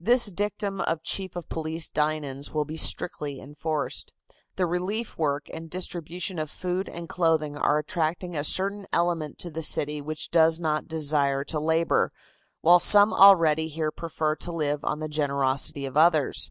This dictum of Chief of Police Dinan's will be strictly enforced. The relief work and distribution of food and clothing are attracting a certain element to the city which does not desire to labor, while some already here prefer to live on the generosity of others.